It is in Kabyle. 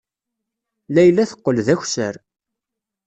Layla teqqel d akessar.